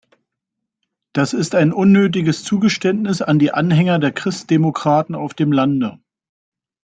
Das ist ein unnötiges Zugeständnis an die Anhänger der Christdemokraten auf dem Lande.